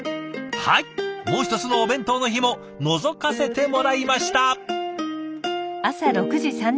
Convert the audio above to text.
はいもう一つのお弁当の日ものぞかせてもらいました！